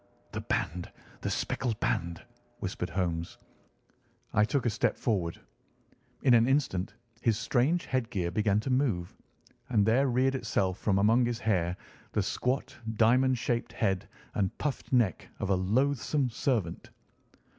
"The band! the speckled band!" whispered Holmes. I took a step forward. In an instant his strange headgear began to move, and there reared itself from among his hair the squat diamond shaped head and puffed neck of a loathsome serpent.